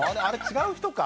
違う人か。